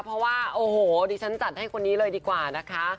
เพราะว่าโอ้โหดิฉันจัดให้คนนี้เลยดีกว่านะคะ